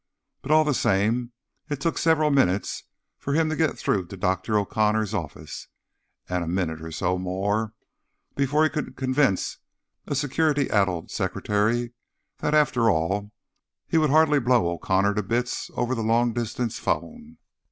But, all the same, it took several minutes for him to get through to Dr. O'Connor's office, and a minute or so more before he could convince a security addled secretary that, after all, he would hardly blow O'Connor to bits over the long distance phone.